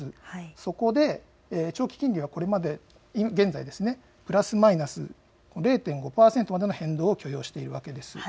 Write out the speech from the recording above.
そこで長期金利はこれまで現在、プラス・マイナス０．５％までの変動を許容しているわけです。